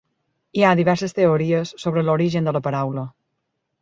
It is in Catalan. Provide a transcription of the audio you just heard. Hi ha diverses teories sobre l'origen de la paraula.